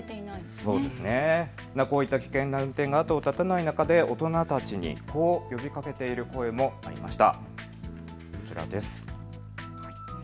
こういった危険な運転が後を絶たない中で大人たちにこう呼びかけている声もありました。